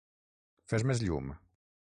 Fes més llum.